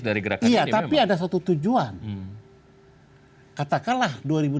dari gerakan ya tapi ada satu tujuan katakanlah